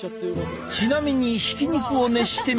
ちなみにひき肉を熱してみると。